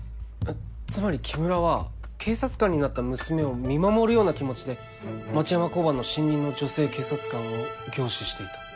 つまり木村は警察官になった娘を見守るような気持ちで町山交番の新任の女性警察官を凝視していた。